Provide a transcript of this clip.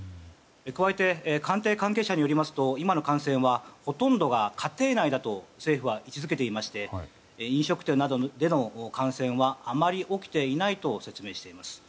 加えて、官邸関係者によりますと今の感染はほとんどが家庭内だと政府は位置づけていまして飲食店などでの感染はあまり起きていないと説明しています。